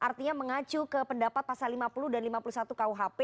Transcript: artinya mengacu ke pendapat pasal lima puluh dan lima puluh satu kuhp